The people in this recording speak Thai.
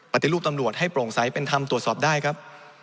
ปฏิรูปตำรวจให้โปร่งใสเป็นธรรมตรวจสอบได้ครับ